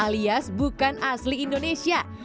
alias bukan asli indonesia